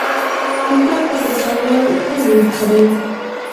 مثبت فکر کول ولې ښه دي؟